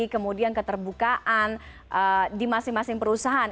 kemudian keterbukaan di masing masing perusahaan